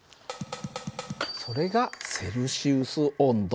それがセルシウス温度。